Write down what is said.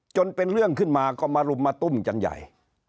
จนเป็นเรื่องขึ้นมาก็มารุมมาตุ้มกันใหญ่